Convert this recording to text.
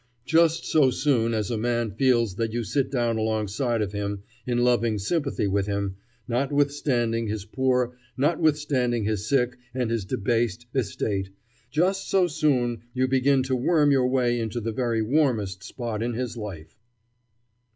Just so soon as a man feels that you sit down alongside of him in loving sympathy with him, notwithstanding his poor, notwithstanding his sick and his debased, estate, just so soon you begin to worm your way into the very warmest spot in his life."